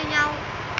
ab như nhau